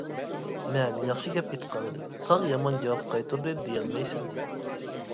مەن ياخشى گەپ ئېيتقانىدىم، تاغ يامان جاۋاب قايتۇردى دېيەلمەيسەن.